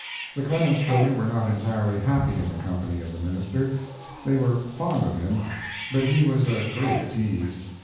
The Clemens children were not entirely happy in the company of the minister. They were fond of him, but he was a great tease.